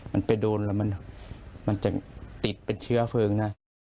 มันไปโดนแล้วมันจะติดเป็นเชื้อเพลิงได้